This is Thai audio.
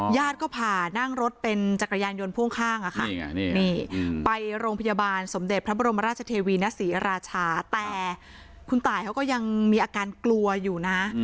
ญาติก็ผ่านั่งรถเป็นจักรยานยนต์พ่วงข้าง